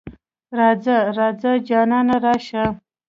راځه ـ راځه جانانه راشه.